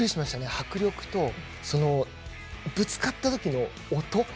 迫力と、ぶつかったときの音。